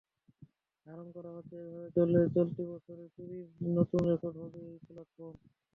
ধারণা করা হচ্ছে, এভাবে চললে চলতি বছরে চুরির নতুন রেকর্ড হবে এই প্ল্যাটফর্মে।